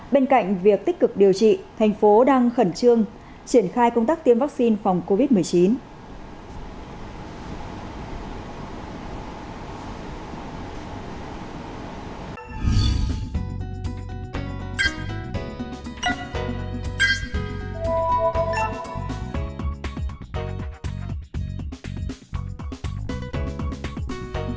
bên cạnh việc tích cực điều trị tp cnh đang khẩn trương triển khai công tác tiêm vaccine phòng covid một mươi chín